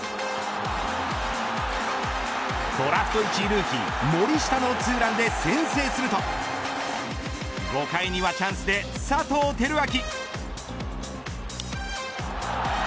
ドラフト１位ルーキー森下のツーランで先制すると５回にはチャンスで佐藤輝明。